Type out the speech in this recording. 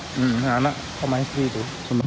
iya anak perempuan istri itu